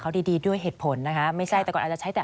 เขาดีดีด้วยเหตุผลนะคะไม่ใช่แต่ก่อนอาจจะใช้แต่